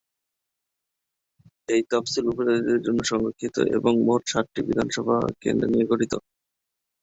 এটি তফসিলী উপজাতিদের জন্য সংরক্ষিত এবং মোট সাতটি বিধানসভা কেন্দ্র নিয়ে গঠিত।